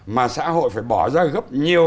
mà xã hội phải bỏ ra gấp nhiều